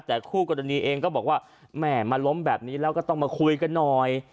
แต่คู่กรณีเองก็บอกว่าแม่มาล้มแบบนี้แล้วก็ต้องมาคุยกันหน่อย